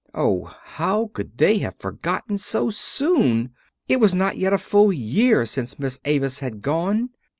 Oh, how could they have forgotten so soon? It was not yet a full year since Miss Avis had gone.